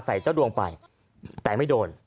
เจ้าดวงไปแต่ไม่โดน